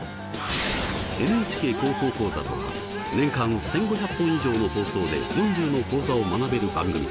「ＮＨＫ高校講座」とは年間１，５００本以上の放送で４０の講座を学べる番組。